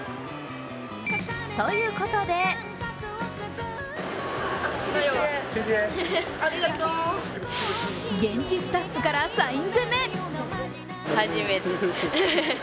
ということで現地スタッフからサイン攻め。